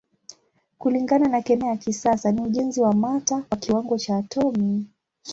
Kulingana na kemia ya kisasa ni ujenzi wa mata kwa kiwango cha atomi.